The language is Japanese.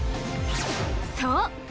そう！